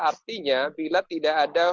artinya bila tidak ada